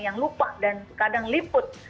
yang lupa dan kadang liput